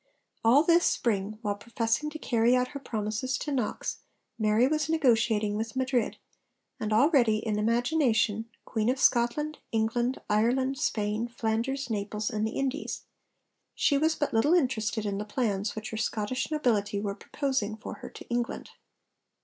All this spring, while professing to carry out her promises to Knox, Mary was negotiating with Madrid, and 'already, in imagination, Queen of Scotland, England, Ireland, Spain, Flanders, Naples, and the Indies,' she was but little interested in the plans which her Scottish nobility were proposing for her to England.